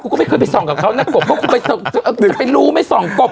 กูก็ไม่เคยไปส่องกับเขานะกบเพราะกูไปส่องกูจะไปรู้ไหมส่องกบ